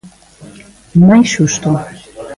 Máis xusto.